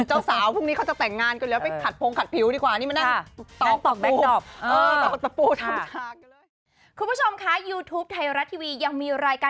เจ้าสาวพรุ่งนี้เขาจะแต่งงานกันแล้วไปขัดพงขัดผิวดีกว่านี่มานั่ง